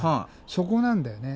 そこなんだよね。